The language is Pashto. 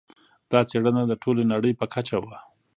دا څېړنه د ټولې نړۍ په کچه وه.